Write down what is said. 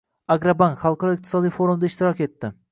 Agrobank - xalqaro iqtisodiy forumda ishtirok etdi